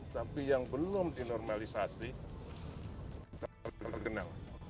tapi yang belum dinormalisasi terkenal